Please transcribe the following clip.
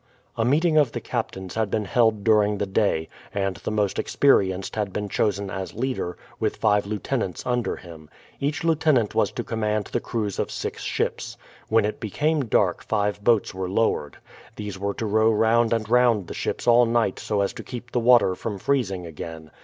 A meeting of the captains had been held during the day, and the most experienced had been chosen as leader, with five lieutenants under him. Each lieutenant was to command the crews of six ships. When it became dark five boats were lowered. These were to row round and round the ships all night so as to keep the water from freezing again.